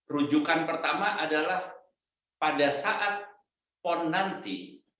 rujukan pertama adalah pada saat pon nanti